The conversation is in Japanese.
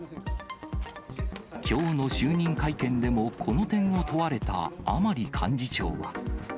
きょうの就任会見でもこの点を問われた甘利幹事長は。